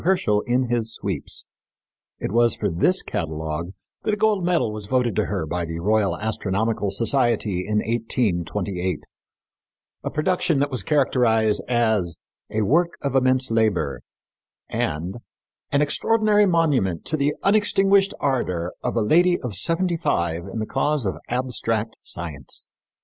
Herschel in His Sweeps_. It was for this catalogue that a gold medal was voted to her by the Royal Astronomical Society in 1828 a production that was characterized as "a work of immense labor" and "an extraordinary monument to the unextinguished ardor of a lady of seventy five in the cause of abstract science."